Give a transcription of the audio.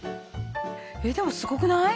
えっでもすごくない？